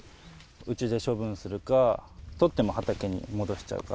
うちで処分するか、取っても、畑に戻しちゃうか。